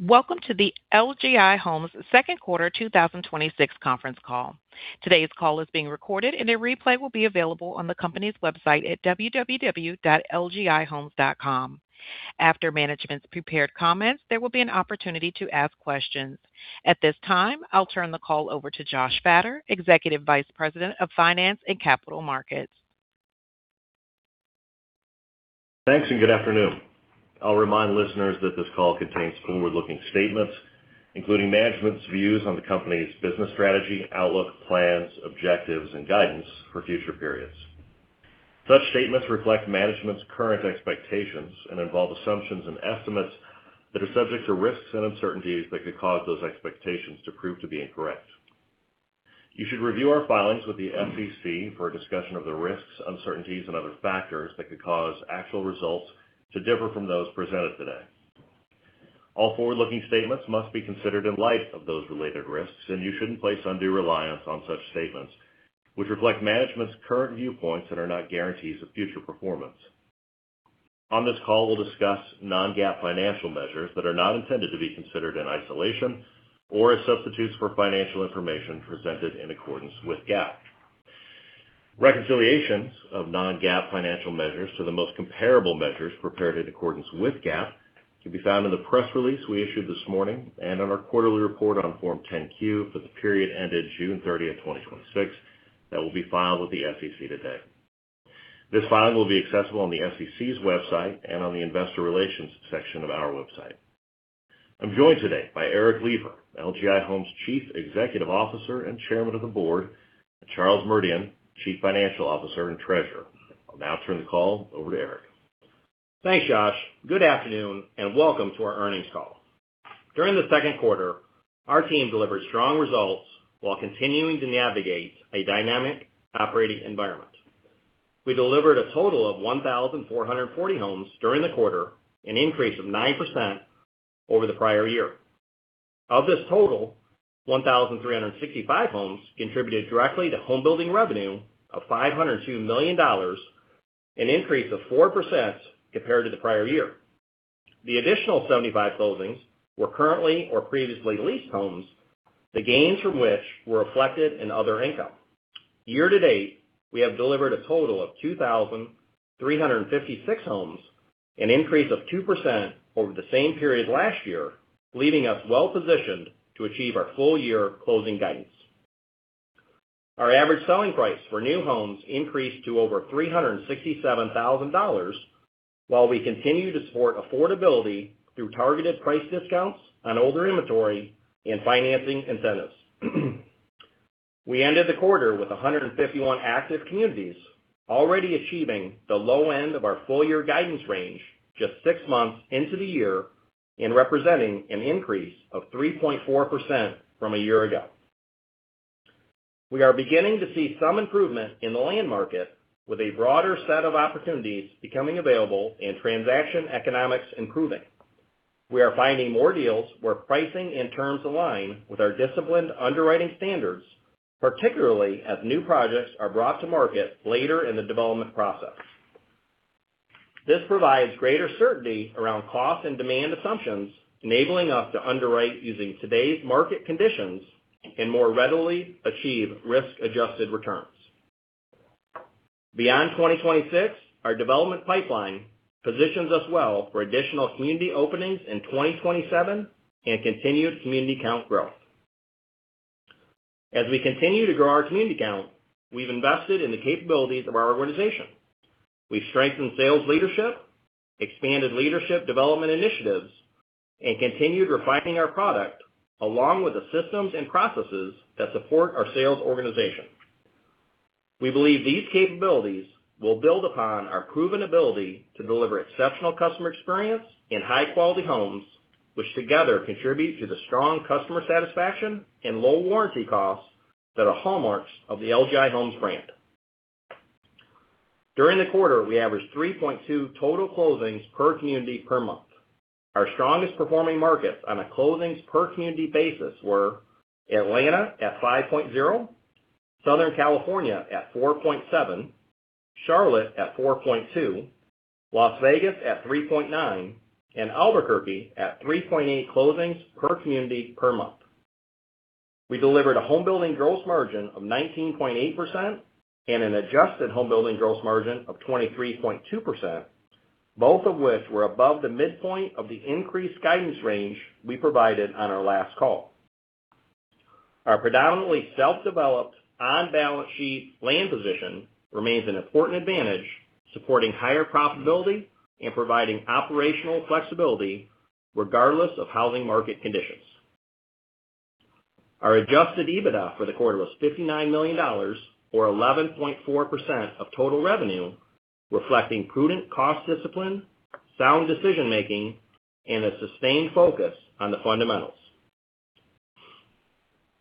Welcome to the LGI Homes second quarter 2026 conference call. Today's call is being recorded, and a replay will be available on the company's website at www.lgihomes.com. After management's prepared comments, there will be an opportunity to ask questions. At this time, I'll turn the call over to Josh Fattor, Executive Vice President of Finance and Capital Markets. Thanks. Good afternoon. I'll remind listeners that this call contains forward-looking statements, including management's views on the company's business strategy, outlook, plans, objectives, and guidance for future periods. Such statements reflect management's current expectations and involve assumptions and estimates that are subject to risks and uncertainties that could cause those expectations to prove to be incorrect. You should review our filings with the SEC for a discussion of the risks, uncertainties, and other factors that could cause actual results to differ from those presented today. All forward-looking statements must be considered in light of those related risks, and you shouldn't place undue reliance on such statements, which reflect management's current viewpoints that are not guarantees of future performance. On this call, we'll discuss non-GAAP financial measures that are not intended to be considered in isolation or as substitutes for financial information presented in accordance with GAAP. Reconciliations of non-GAAP financial measures to the most comparable measures prepared in accordance with GAAP can be found in the press release we issued this morning and on our quarterly report on Form 10-Q for the period ended June 30th, 2026 that will be filed with the SEC today. This filing will be accessible on the SEC's website and on the investor relations section of our website. I'm joined today by Eric Lipar, LGI Homes' Chief Executive Officer and Chairman of the Board, and Charles Merdian, Chief Financial Officer and Treasurer. I'll now turn the call over to Eric. Thanks, Josh. Good afternoon. Welcome to our earnings call. During the second quarter, our team delivered strong results while continuing to navigate a dynamic operating environment. We delivered a total of 1,440 homes during the quarter, an increase of 9% over the prior year. Of this total, 1,365 homes contributed directly to homebuilding revenue of $502 million, an increase of 4% compared to the prior year. The additional 75 closings were currently or previously leased homes, the gains from which were reflected in other income. Year-to-date, we have delivered a total of 2,356 homes, an increase of 2% over the same period last year, leaving us well-positioned to achieve our full-year closing guidance. Our average selling price for new homes increased to over $367,000, while we continue to support affordability through targeted price discounts on older inventory and financing incentives. We ended the quarter with 151 active communities, already achieving the low end of our full-year guidance range just six months into the year and representing an increase of 3.4% from a year ago. We are beginning to see some improvement in the land market, with a broader set of opportunities becoming available and transaction economics improving. We are finding more deals where pricing and terms align with our disciplined underwriting standards, particularly as new projects are brought to market later in the development process. This provides greater certainty around cost and demand assumptions, enabling us to underwrite using today's market conditions and more readily achieve risk-adjusted returns. Beyond 2026, our development pipeline positions us well for additional community openings in 2027 and continued community count growth. As we continue to grow our community count, we've invested in the capabilities of our organization. We've strengthened sales leadership, expanded leadership development initiatives, and continued refining our product along with the systems and processes that support our sales organization. We believe these capabilities will build upon our proven ability to deliver exceptional customer experience and high-quality homes, which together contribute to the strong customer satisfaction and low warranty costs that are hallmarks of the LGI Homes brand. During the quarter, we averaged 3.2 total closings per community per month. Our strongest performing markets on a closings per community basis were Atlanta at 5.0, Southern California at 4.7, Charlotte at 4.2, Las Vegas at 3.9, and Albuquerque at 3.8 closings per community per month. We delivered a homebuilding gross margin of 19.8% and an adjusted homebuilding gross margin of 23.2%, both of which were above the midpoint of the increased guidance range we provided on our last call. Our predominantly self-developed, on-balance sheet land position remains an important advantage, supporting higher profitability and providing operational flexibility regardless of housing market conditions. Our adjusted EBITDA for the quarter was $59 million, or 11.4% of total revenue, reflecting prudent cost discipline, sound decision-making, and a sustained focus on the fundamentals.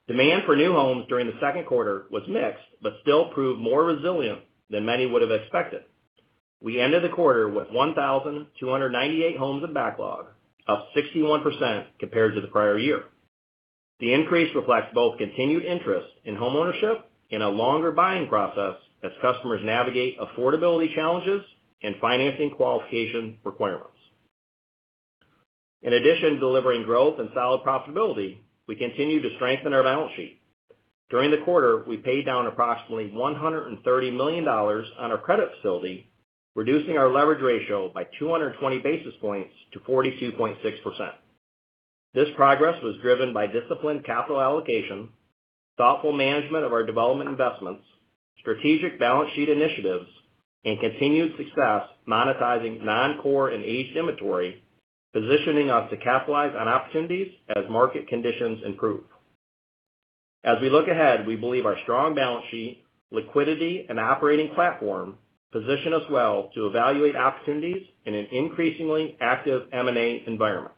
Demand for new homes during the second quarter was mixed but still proved more resilient than many would have expected. We ended the quarter with 1,298 homes of backlog, up 61% compared to the prior year. The increase reflects both continued interest in homeownership and a longer buying process as customers navigate affordability challenges and financing qualification requirements. In addition to delivering growth and solid profitability, we continue to strengthen our balance sheet. During the quarter, we paid down approximately $130 million on our credit facility, reducing our leverage ratio by 220 basis points to 42.6%. This progress was driven by disciplined capital allocation, thoughtful management of our development investments, strategic balance sheet initiatives, and continued success monetizing non-core and aged inventory, positioning us to capitalize on opportunities as market conditions improve. As we look ahead, we believe our strong balance sheet, liquidity, and operating platform position us well to evaluate opportunities in an increasingly active M&A environment.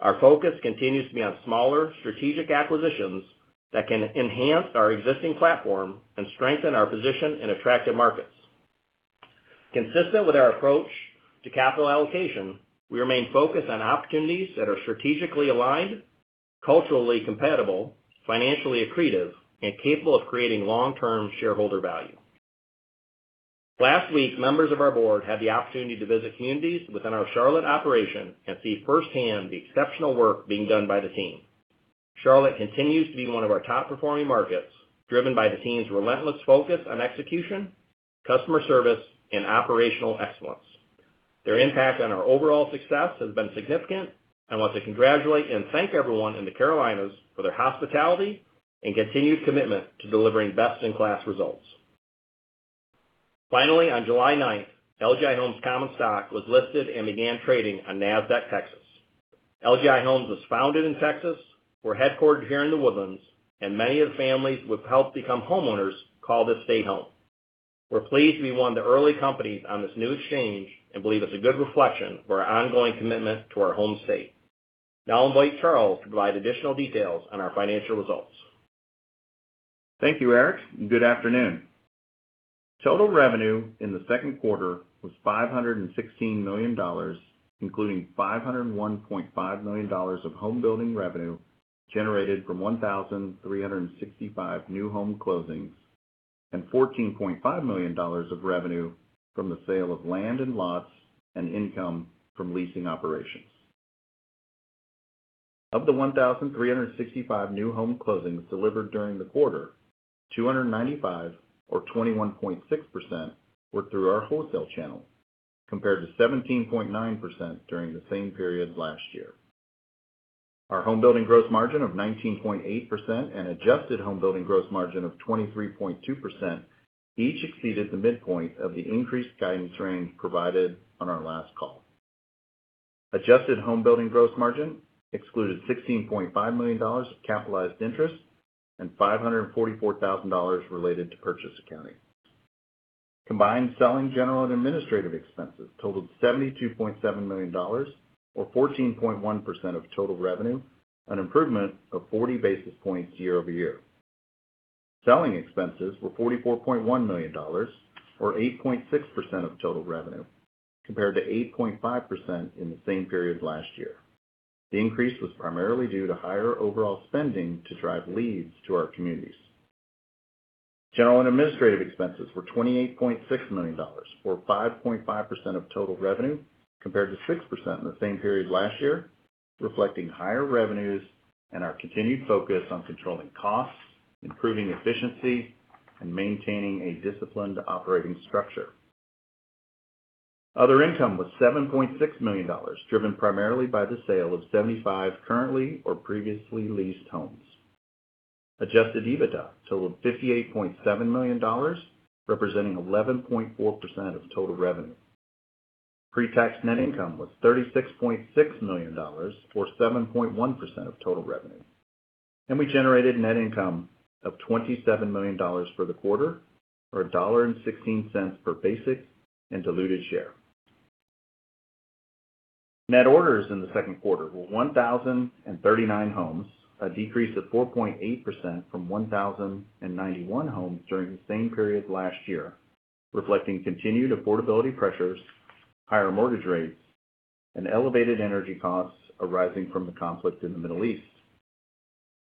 Our focus continues to be on smaller strategic acquisitions that can enhance our existing platform and strengthen our position in attractive markets. Consistent with our approach to capital allocation, we remain focused on opportunities that are strategically aligned, culturally compatible, financially accretive, and capable of creating long-term shareholder value. Last week, members of our board had the opportunity to visit communities within our Charlotte operation and see firsthand the exceptional work being done by the team. Charlotte continues to be one of our top-performing markets, driven by the team's relentless focus on execution, customer service, and operational excellence. Their impact on our overall success has been significant, and I want to congratulate and thank everyone in the Carolinas for their hospitality and continued commitment to delivering best-in-class results. Finally, on July 9th, LGI Homes common stock was listed and began trading on Nasdaq Texas. LGI Homes was founded in Texas, we're headquartered here in The Woodlands, and many of the families we've helped become homeowners call this state home. We're pleased to be one of the early companies on this new exchange and believe it's a good reflection of our ongoing commitment to our home state. I'll invite Charles to provide additional details on our financial results. Thank you, Eric, and good afternoon. Total revenue in the second quarter was $516 million, including $501.5 million of homebuilding revenue generated from 1,365 new home closings and $14.5 million of revenue from the sale of land and lots and income from leasing operations. Of the 1,365 new home closings delivered during the quarter, 295 or 21.6% were through our wholesale channel, compared to 17.9% during the same period last year. Our homebuilding gross margin of 19.8% and adjusted homebuilding gross margin of 23.2% each exceeded the midpoint of the increased guidance range provided on our last call. Adjusted homebuilding gross margin excluded $16.5 million of capitalized interest and $544,000 related to purchase accounting. Combined selling, general, and administrative expenses totaled $72.7 million or 14.1% of total revenue, an improvement of 40 basis points year-over-year. Selling expenses were $44.1 million or 8.6% of total revenue, compared to 8.5% in the same period last year. The increase was primarily due to higher overall spending to drive leads to our communities. General and administrative expenses were $28.6 million or 5.5% of total revenue compared to 6% in the same period last year, reflecting higher revenues and our continued focus on controlling costs, improving efficiency, and maintaining a disciplined operating structure. Other income was $7.6 million, driven primarily by the sale of 75 currently or previously leased homes. Adjusted EBITDA totaled $58.7 million, representing 11.4% of total revenue. Pre-tax net income was $36.6 million or 7.1% of total revenue. We generated net income of $27 million for the quarter, or $1.16 per basic and diluted share. Net orders in the second quarter were 1,039 homes, a decrease of 4.8% from 1,091 homes during the same period last year, reflecting continued affordability pressures, higher mortgage rates, and elevated energy costs arising from the conflict in the Middle East.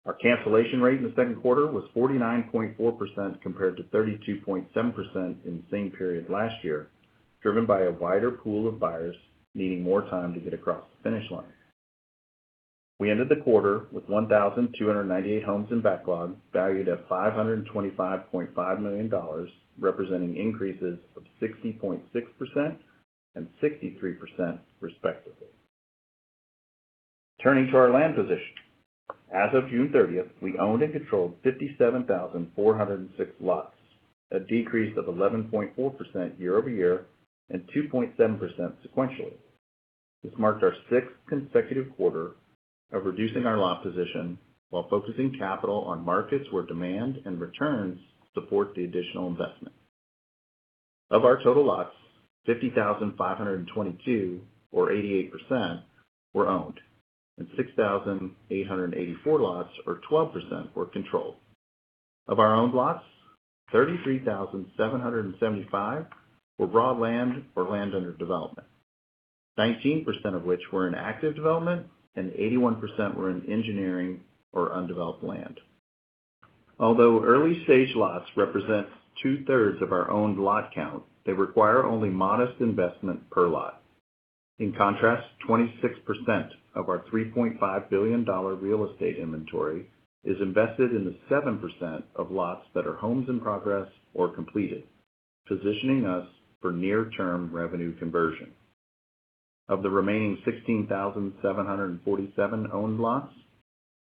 Our cancellation rate in the second quarter was 49.4% compared to 32.7% in the same period last year, driven by a wider pool of buyers needing more time to get across the finish line. We ended the quarter with 1,298 homes in backlog valued at $525.5 million, representing increases of 60.6% and 63% respectively. Turning to our land position. As of June 30th, we owned and controlled 57,406 lots, a decrease of 11.4% year-over-year and 2.7% sequentially. This marked our sixth consecutive quarter of reducing our lot position while focusing capital on markets where demand and returns support the additional investment. Of our total lots, 50,522 or 88% were owned, and 6,884 lots or 12% were controlled. Of our owned lots, 33,775 were raw land or land under development. 19% of which were in active development and 81% were in engineering or undeveloped land. Although early stage lots represents two-thirds of our owned lot count, they require only modest investment per lot. In contrast, 26% of our $3.5 billion real estate inventory is invested in the 7% of lots that are homes in progress or completed, positioning us for near-term revenue conversion. Of the remaining 16,747 owned lots,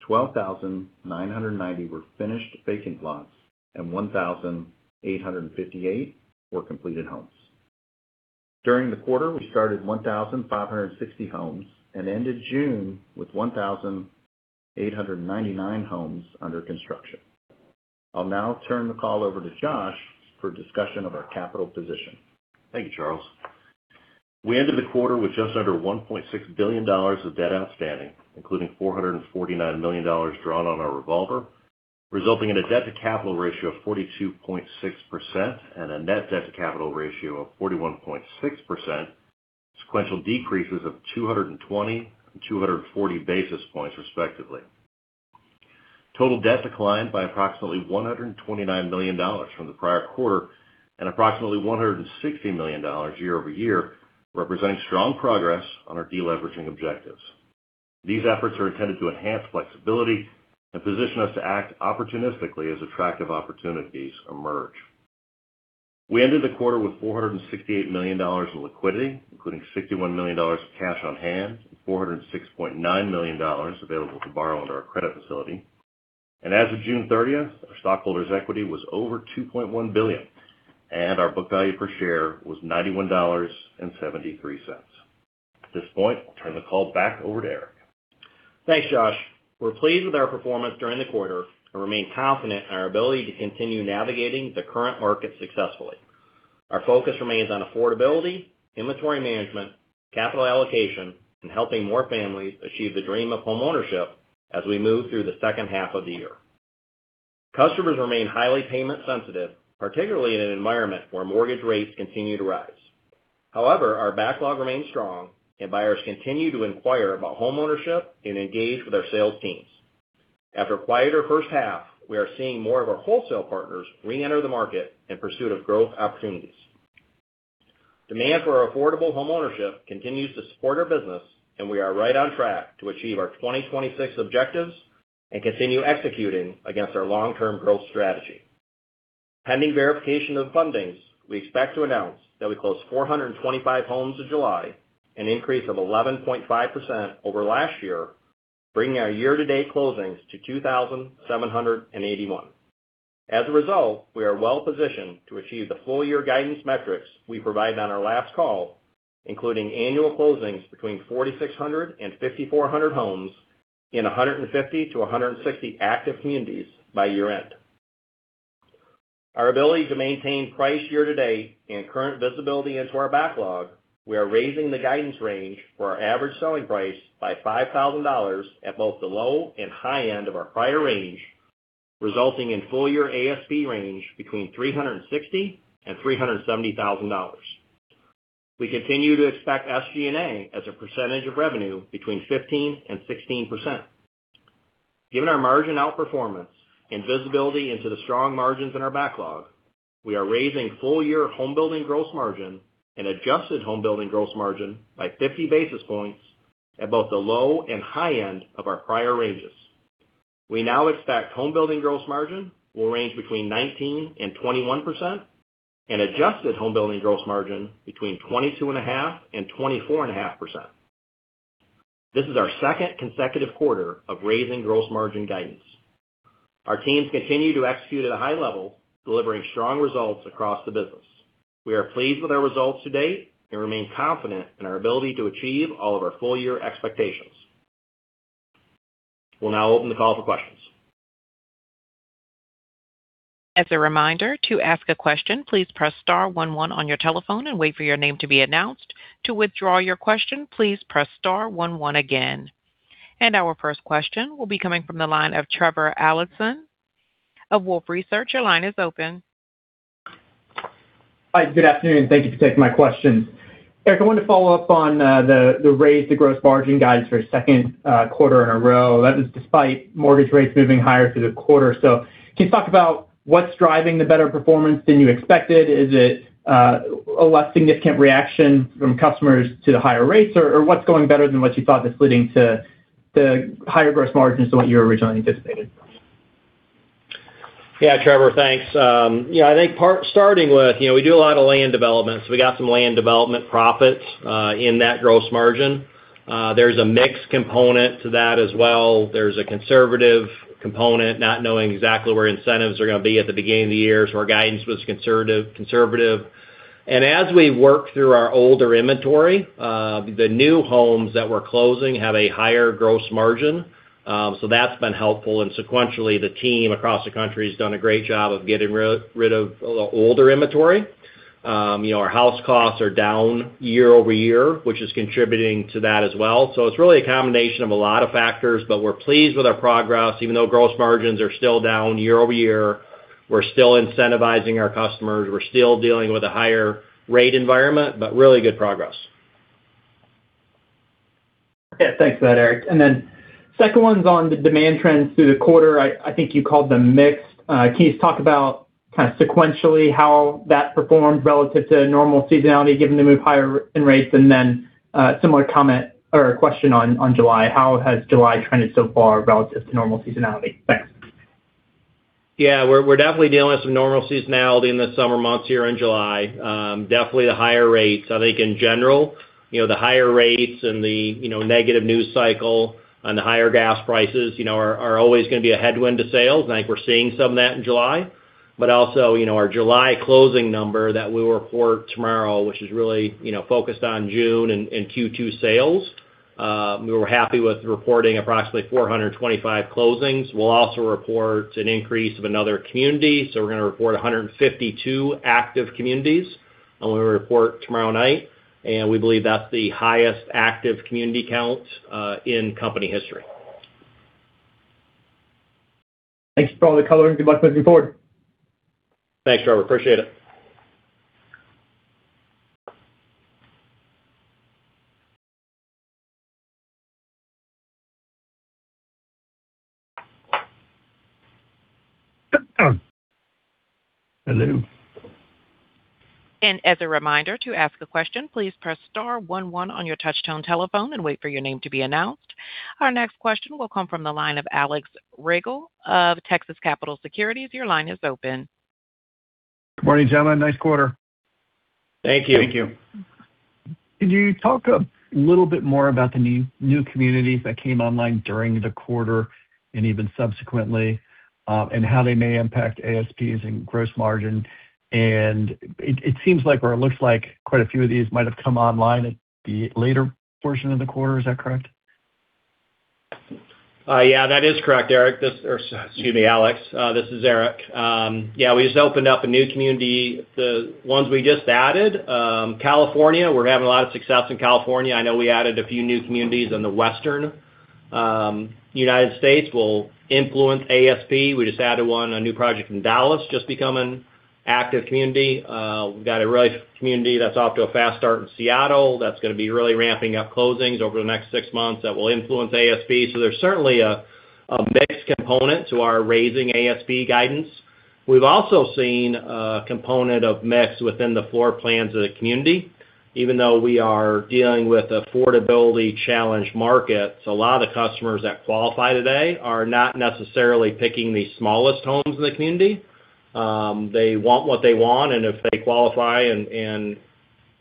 12,990 were finished vacant lots, and 1,858 were completed homes. During the quarter, we started 1,560 homes and ended June with 1,899 homes under construction. I'll now turn the call over to Josh for discussion of our capital position. Thank you, Charles. We ended the quarter with just under $1.6 billion of debt outstanding, including $449 million drawn on our revolver, resulting in a debt-to-capital ratio of 42.6% and a net debt-to-capital ratio of 41.6%, sequential decreases of 220 basis points and 240 basis points respectively. Total debt declined by approximately $129 million from the prior quarter and approximately $160 million year-over-year, representing strong progress on our de-leveraging objectives. These efforts are intended to enhance flexibility and position us to act opportunistically as attractive opportunities emerge. We ended the quarter with $468 million in liquidity, including $61 million of cash on hand and $406.9 million available to borrow under our credit facility. As of June 30th, our stockholders' equity was over $2.1 billion, and our book value per share was $91.73. At this point, I'll turn the call back over to Eric. Thanks, Josh. We're pleased with our performance during the quarter and remain confident in our ability to continue navigating the current market successfully. Our focus remains on affordability, inventory management, capital allocation, and helping more families achieve the dream of home ownership as we move through the second half of the year. Customers remain highly payment sensitive, particularly in an environment where mortgage rates continue to rise. However, our backlog remains strong and buyers continue to inquire about home ownership and engage with our sales teams. After a quieter first half, we are seeing more of our wholesale partners re-enter the market in pursuit of growth opportunities. Demand for our affordable home ownership continues to support our business, and we are right on track to achieve our 2026 objectives and continue executing against our long-term growth strategy. Pending verification of fundings, we expect to announce that we closed 425 homes in July, an increase of 11.5% over last year, bringing our year-to-date closings to 2,781. As a result, we are well positioned to achieve the full-year guidance metrics we provided on our last call, including annual closings between 4,600 and 5,400 homes in 150-160 active communities by year-end. Our ability to maintain price year-to-date and current visibility into our backlog, we are raising the guidance range for our average selling price by $5,000 at both the low and high end of our prior range, resulting in full-year ASP range between $360,000-$370,000. We continue to expect SG&A as a percentage of revenue between 15%-16%. Given our margin outperformance and visibility into the strong margins in our backlog, we are raising full-year homebuilding gross margin and adjusted homebuilding gross margin by 50 basis points at both the low and high end of our prior ranges. We now expect homebuilding gross margin will range between 19%-21%, and adjusted homebuilding gross margin between 22.5%-24.5%. This is our second consecutive quarter of raising gross margin guidance. Our teams continue to execute at a high level, delivering strong results across the business. We are pleased with our results to date and remain confident in our ability to achieve all of our full-year expectations. We will now open the call for questions. As a reminder, to ask a question, please press star one one on your telephone and wait for your name to be announced. To withdraw your question, please press star one one again. Our first question will be coming from the line of Trevor Allinson of Wolfe Research. Your line is open. Hi, good afternoon. Thank you for taking my questions. Eric, I wanted to follow up on the raise to gross margin guidance for a second quarter in a row. That is despite mortgage rates moving higher through the quarter. Can you talk about what is driving the better performance than you expected? Is it a less significant reaction from customers to the higher rates, or what is going better than what you thought that is leading to the higher gross margins to what you originally anticipated? Trevor, thanks. I think starting with we do a lot of land development, so we got some land development profits in that gross margin. There's a mix component to that as well. There's a conservative component, not knowing exactly where incentives are going to be at the beginning of the year, so our guidance was conservative. As we work through our older inventory, the new homes that we're closing have a higher gross margin. That's been helpful, and sequentially, the team across the country has done a great job of getting rid of older inventory. Our house costs are down year-over-year, which is contributing to that as well. It's really a combination of a lot of factors, but we're pleased with our progress even though gross margins are still down year-over-year. We're still incentivizing our customers. We're still dealing with a higher rate environment. Really good progress. Thanks for that, Eric. Then second one's on the demand trends through the quarter. I think you called them mixed. Can you talk about kind of sequentially how that performed relative to normal seasonality, given the move higher in rates? Then similar comment or question on July. How has July trended so far relative to normal seasonality? Thanks. We're definitely dealing with some normal seasonality in the summer months here in July. Definitely the higher rates. I think in general, the higher rates and the negative news cycle on the higher gas prices are always going to be a headwind to sales. I think we're seeing some of that in July. Also, our July closing number that we will report tomorrow, which is really focused on June and Q2 sales. We were happy with reporting approximately 425 closings. We'll also report an increase of another community. We're going to report 152 active communities, and when we report tomorrow night. We believe that's the highest active community count in company history. Thanks for all the color, good luck moving forward. Thanks, Trevor. Appreciate it. Hello. As a reminder, to ask a question, please press star one one on your touchtone telephone and wait for your name to be announced. Our next question will come from the line of Alex Rygiel of Texas Capital Securities. Your line is open. Good morning, gentlemen. Nice quarter. Thank you. Thank you. Could you talk a little bit more about the new communities that came online during the quarter and even subsequently, and how they may impact ASPs and gross margin? It seems like, or it looks like quite a few of these might have come online at the later portion of the quarter. Is that correct? That is correct, Alex. Excuse me, Alex. This is Eric. We just opened up a new community, the ones we just added. California, we're having a lot of success in California. I know we added a few new communities in the Western U.S. will influence ASP. We just added one, a new project in Dallas, just becoming active community. We've got a real community that's off to a fast start in Seattle that's going to be really ramping up closings over the next six months that will influence ASP. There's certainly a mixed component to our raising ASP guidance. We've also seen a component of mix within the floor plans of the community, even though we are dealing with affordability-challenged markets. A lot of the customers that qualify today are not necessarily picking the smallest homes in the community. They want what they want. If they qualify,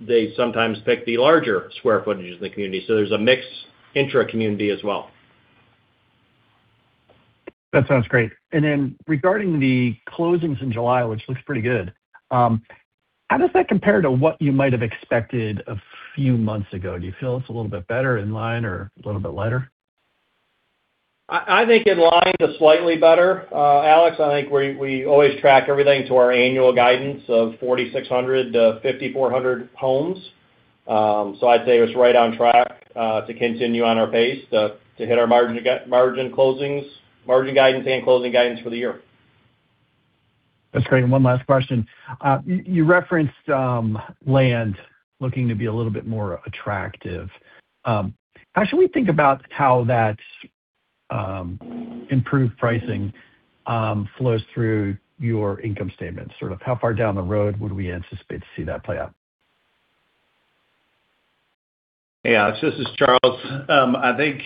they sometimes pick the larger square footages in the community. There's a mix intra community as well. That sounds great. Regarding the closings in July, which looks pretty good, how does that compare to what you might have expected a few months ago? Do you feel it's a little bit better, in line, or a little bit lighter? I think in line to slightly better. Alex, I think we always track everything to our annual guidance of 4,600-5,400 homes. I'd say it's right on track to continue on our pace to hit our margin guidance and closing guidance for the year. That's great. One last question. You referenced land looking to be a little bit more attractive. How should we think about how that improved pricing flows through your income statement? Sort of how far down the road would we anticipate to see that play out? Yeah. This is Charles. I think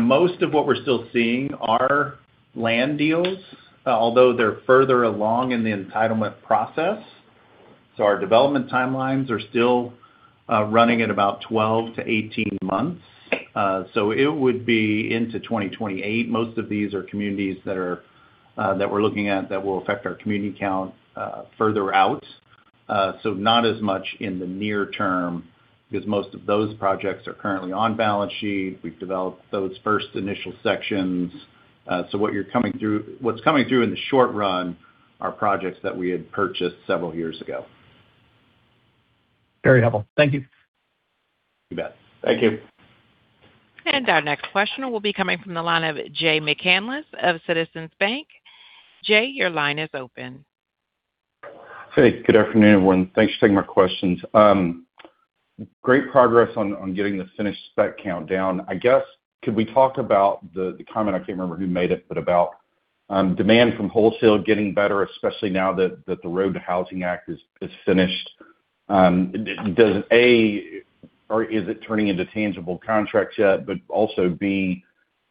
most of what we're still seeing are land deals, although they're further along in the entitlement process. Our development timelines are still running at about 12-18 months. It would be into 2028. Most of these are communities that we're looking at that will affect our community count further out. Not as much in the near term, because most of those projects are currently on balance sheet. We've developed those first initial sections. What's coming through in the short run are projects that we had purchased several years ago. Very helpful. Thank you. You bet. Thank you. Our next question will be coming from the line of Jay McCanless of Citizens Bank. Jay, your line is open. Hey, good afternoon, everyone. Thanks for taking my questions. Great progress on getting the finished spec count down. I guess, could we talk about the comment, I can't remember who made it, but about demand from wholesale getting better, especially now that the Road to Housing Act is finished. Is it turning into tangible contracts yet? Also, B,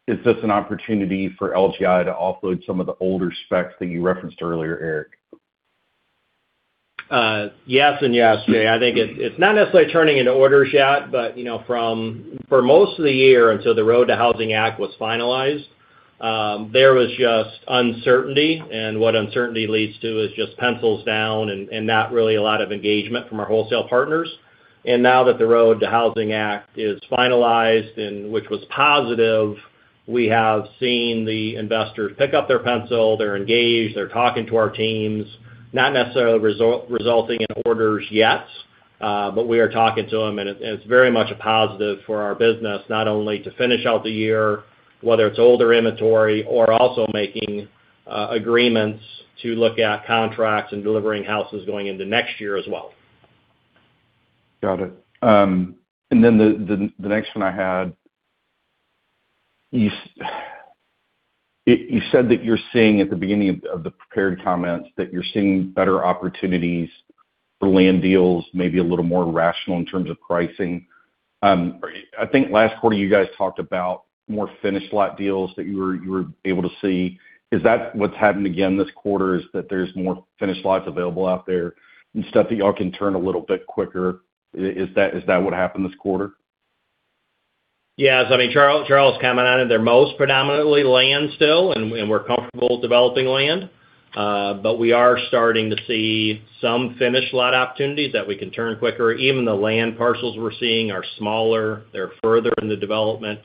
is this an opportunity for LGI to offload some of the older specs that you referenced earlier, Eric? Yes and yes, Jay. I think it's not necessarily turning into orders yet, but for most of the year, until the Road to Housing Act was finalized, there was just uncertainty, and what uncertainty leads to is just pencils down and not really a lot of engagement from our wholesale partners. Now that the Road to Housing Act is finalized, and which was positive, we have seen the investors pick up their pencil. They're engaged, they're talking to our teams, not necessarily resulting in orders yet. We are talking to them, and it's very much a positive for our business, not only to finish out the year, whether it's older inventory or also making agreements to look at contracts and delivering houses going into next year as well. Got it. The next one I had, you said that you're seeing at the beginning of the prepared comments, that you're seeing better opportunities for land deals, maybe a little more rational in terms of pricing. I think last quarter you guys talked about more finished lot deals that you were able to see. Is that what's happened again this quarter, is that there's more finished lots available out there and stuff that y'all can turn a little bit quicker? Is that what happened this quarter? Yes. I mean, Charles commented on it. They're most predominantly land still, and we're comfortable with developing land. We are starting to see some finished lot opportunities that we can turn quicker. Even the land parcels we're seeing are smaller. They're further in the development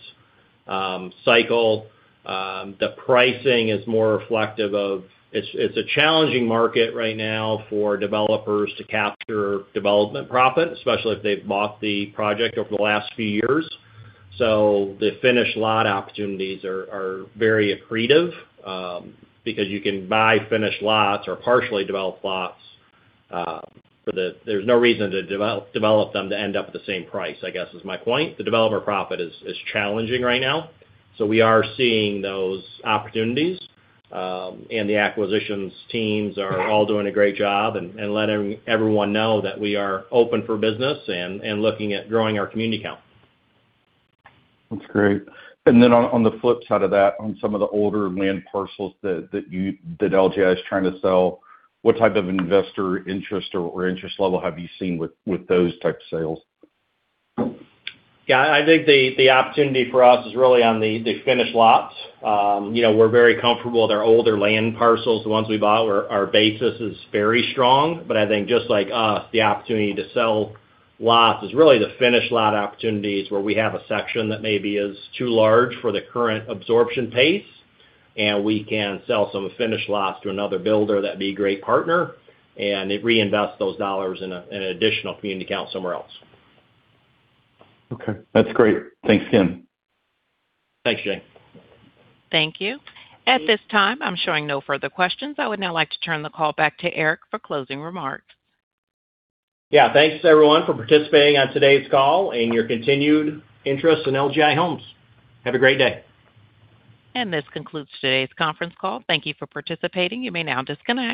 cycle. The pricing is more reflective of It's a challenging market right now for developers to capture development profit, especially if they've bought the project over the last few years. The finished lot opportunities are very accretive, because you can buy finished lots or partially developed lots. There's no reason to develop them to end up at the same price, I guess is my point. The developer profit is challenging right now. we are seeing those opportunities, the acquisitions teams are all doing a great job and letting everyone know that we are open for business and looking at growing our community count. That's great. Then on the flip side of that, on some of the older land parcels that LGI is trying to sell, what type of investor interest or interest level have you seen with those types of sales? I think the opportunity for us is really on the finished lots. We're very comfortable with our older land parcels, the ones we bought, our basis is very strong. I think just like us, the opportunity to sell lots is really the finished lot opportunities, where we have a section that maybe is too large for the current absorption pace, and we can sell some finished lots to another builder that'd be a great partner, and then reinvest those dollars in an additional community count somewhere else. That's great. Thanks, Eric. Thanks, Jay. Thank you. At this time, I'm showing no further questions. I would now like to turn the call back to Eric for closing remarks. Yeah. Thanks, everyone, for participating on today's call and your continued interest in LGI Homes. Have a great day. This concludes today's conference call. Thank you for participating. You may now disconnect.